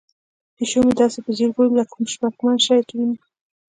پیشو مې داسې په ځیر ګوري لکه کوم شکمن شی چې ویني.